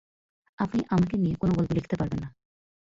আপনি আমাকে নিয়ে কোন গল্প লিখতে পারবেন না।